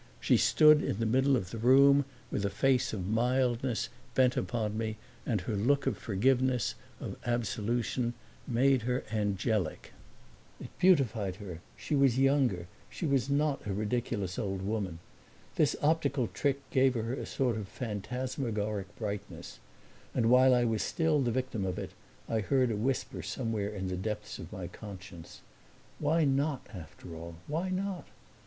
She stood in the middle of the room with a face of mildness bent upon me, and her look of forgiveness, of absolution, made her angelic. It beautified her; she was younger; she was not a ridiculous old woman. This optical trick gave her a sort of phantasmagoric brightness, and while I was still the victim of it I heard a whisper somewhere in the depths of my conscience: "Why not, after all why not?"